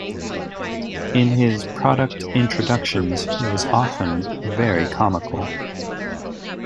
In his product introductions, he was often very comical.